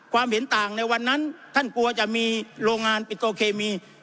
เห็นต่างในวันนั้นท่านกลัวจะมีโรงงานปิโตเคมี